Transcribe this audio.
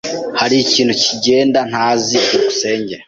Hari ikintu kigenda ntazi? byukusenge